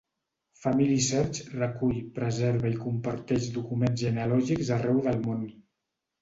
FamilySearch recull, preserva i comparteix documents genealògics arreu del món.